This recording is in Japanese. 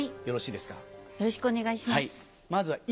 よろしくお願いします。